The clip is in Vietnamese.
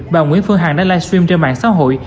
bà nguyễn phương hằng đã live stream trên mạng xã hội